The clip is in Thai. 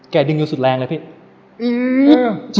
ดึงอยู่สุดแรงเลยพี่